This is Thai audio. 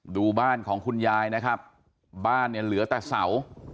ดูบ้านของคุณยายนะครับบ้านเนี่ยเหลือแต่เสา